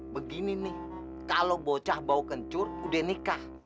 begini nih kalau bocah bau kencur udah nikah